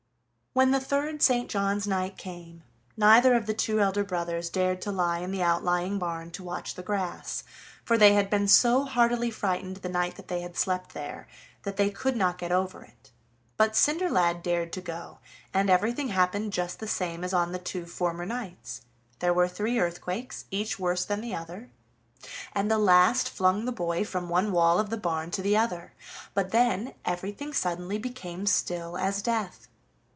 When the third St. John's night came neither of the two elder brothers dared to lie in the outlying barn to watch the grass, for they had been so heartily frightened the night that they had slept there that they could not get over it, but Cinderlad dared to go, and everything happened just the same as on the two former nights. There were three earthquakes, each worse than the other, and the last flung the boy from one wall of the barn to the other, but then everything suddenly became still as death.